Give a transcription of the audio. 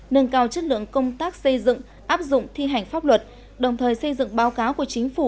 nâng cao chất lượng công tác xây dựng áp dụng thi hành pháp luật đồng thời xây dựng báo cáo của chính phủ